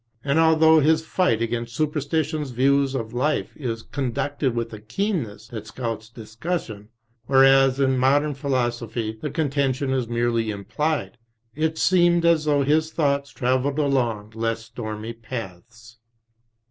And although his fight against Superstition's views of life is con ducted with a keenness that scouts discussion, whereas in modem Philosophy the contention is merely Implied, it seemed as though his thoughts travelled along less stormy paths.